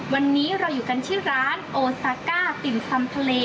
วันนี้เราอยู่กันที่ร้านโอซาก้าปิ่มซำทะเล